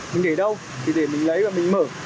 mình để đâu thì để mình lấy và mình mở